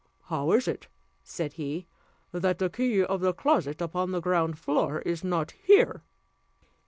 "How is it," said he, "that the key of the closet upon the ground floor is not here?"